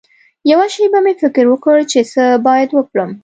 یوه شېبه مې فکر وکړ چې څه باید وکړم.